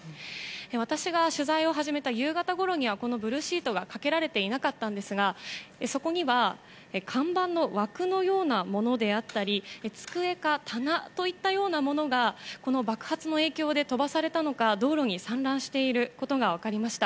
私が取材を始めた夕方ごろにはブルーシートがかけられていなかったんですがそこには看板の枠のようなものであったり机か棚といったようなものがこの爆発の影響で飛ばされたのか道路に散乱していることが分かりました。